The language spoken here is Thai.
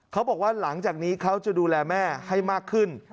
เขาบอกว่าหลังจากนี้เขาจะดูแลแม่ให้มากขึ้น